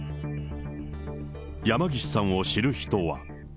山岸さんを知る人は。